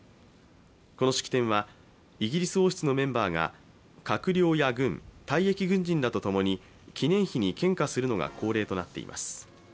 この式典はイギリス王室のメンバーが閣僚や軍、退役軍人らと共に記念碑に献花するのが恒例となっています。